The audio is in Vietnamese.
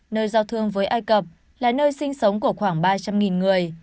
nơi giao thương với ai cập là nơi sinh sống của khoảng ba trăm linh người